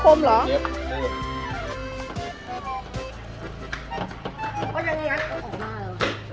พ่อจะยังไงนะออกมาหรอ